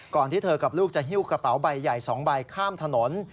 ที่เธอกับลูกจะหิ้วกระเป๋าใบใหญ่๒ใบข้ามถนน